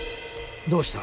どうした？